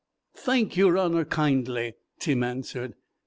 "Thank yer honor kindly," Tim answered.